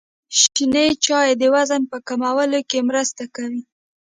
شنې چايي د وزن په کمولو کي مرسته کوي.